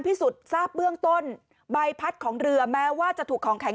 พิสูจน์ทราบเบื้องต้นใบพัดของเรือแม้ว่าจะถูกของแข็ง